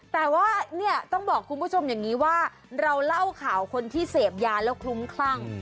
แต่ว่าเนี่ยต้องบอกคุณผู้ชมอย่างนี้ว่าเราเล่าข่าวคนที่เสพยาแล้วคลุ้มคลั่ง